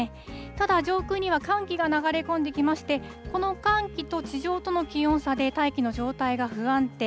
ただ、上空には寒気が流れ込んできまして、この寒気と地上との気温差で大気の状態が不安定。